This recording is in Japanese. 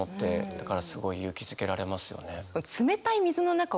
だからすごい勇気づけられますよね。